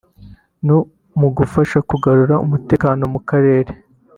no mugufasha kugarura umutekano mu Karere